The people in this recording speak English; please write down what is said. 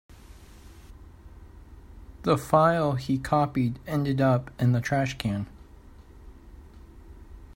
The file he copied ended up in the trash can.